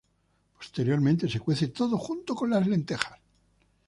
Posteriormente se cuece todo junto con las lentejas.